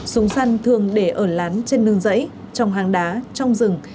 súng săn thường để ở lán trên nương dãy trong hàng đá trong rừng